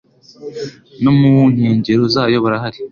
no mu nkengero zayo barahari